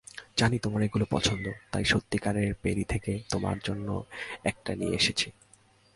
জানি তোমার এগুলো পছন্দ, তাই সত্যিকারের প্যারী থেকে তোমার জন্য একটা নিয়ে এসেছি।